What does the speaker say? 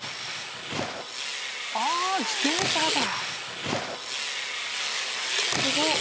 あ自転車だ！